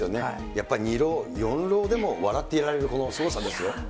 やっぱり、２浪、４浪でも笑っていられるこのすごさですよ。